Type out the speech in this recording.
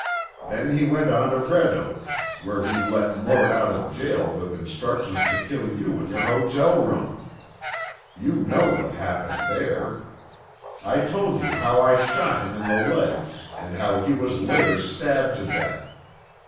Then he went on to Red Oak, where he let Mort out of jail with instructions to kill you in your hotel room. You know what happened there. I told you how I shot him in the leg, and how he was later stabbed to death.